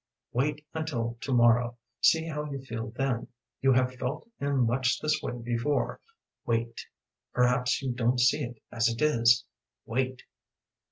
Wait until to morrow, see how you feel then. You have felt in much this way before. Wait! Perhaps you don't see it as it is. Wait!"